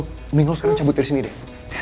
mending lo sekarang cabut dari sini deh